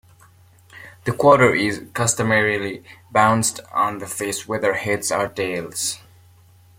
The quarter is customarily bounced on the face whether heads or tails.